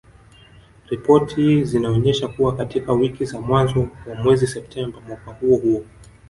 Ripoti zinaonesha kuwa katika wiki za mwanzo wa mwezi Septemba mwaka huo huo